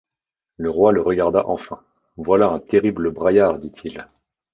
Le roi le regarda enfin. — Voilà un terrible braillard! dit-il.